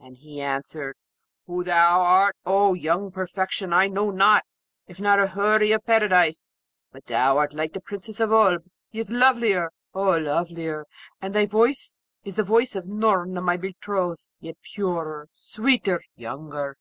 And he answered, 'Who thou art, O young perfection, I know not, if not a Houri of Paradise; but thou art like the Princess of Oolb, yet lovelier, oh lovelier! And thy voice is the voice of Noorna, my betrothed; yet purer, sweeter, younger.'